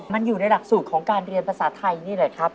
มันอยู่ในหลักสูตรของการเรียนภาษาไทยนี่แหละครับ